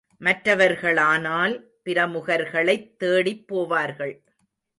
மற்றவர்களானால் பிரமுகர்களைத் தேடிப் போவார்கள்.